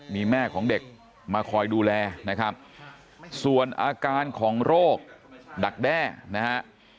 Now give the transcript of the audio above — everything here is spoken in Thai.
มีแม่ของเด็กมาคอยดูแลนะครับส่วนอาการของโรคดักแด้นะฮะ